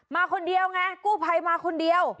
มาคนเดียวไงกู้ภัยมาคนเดียว